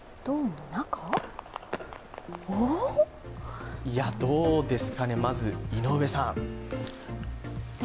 どうですかね、まず井上さん。